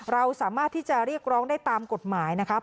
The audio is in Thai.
เราสามารถที่จะเรียกร้องได้ตามกฎหมายนะครับ